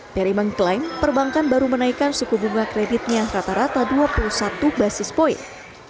peri mengklaim perbankan baru menaikkan suku bunga kreditnya rata rata dua puluh satu basis point